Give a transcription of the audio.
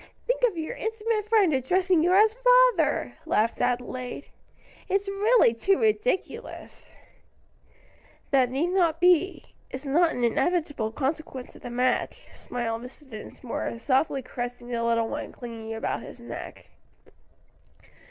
"Think of your intimate friend addressing you as father!" laughed Adelaide; "it's really too ridiculous." "That need not be is not an inevitable consequence of the match," smiled Mr. Dinsmore, softly caressing the little one clinging about his neck.